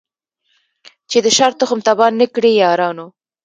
چي د شر تخم تباه نه کړی یارانو